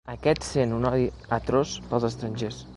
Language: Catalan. Aquest sent un odi atroç pels estrangers.